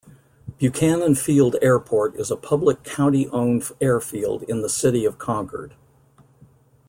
Buchanan Field Airport is a public county-owned airfield in the City of Concord.